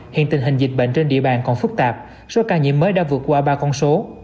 hiện tình hình dịch bệnh trên địa bàn còn phức tạp số ca nhiễm mới đã vượt qua ba con số